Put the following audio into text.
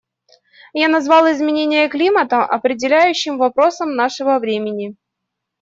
Я назвал изменение климата определяющим вопросом нашего времени.